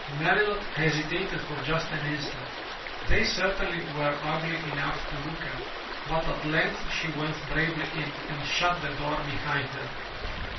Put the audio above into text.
'' Melilot hesitated for just an instant — they certainly were ugly enough to look at — but at length she went bravely in and shut the door behind her.